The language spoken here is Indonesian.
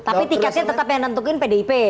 tapi tiketnya tetap yang nentukin pdip